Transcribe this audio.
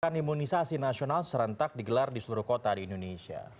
kegiatan imunisasi nasional serentak digelar di seluruh kota di indonesia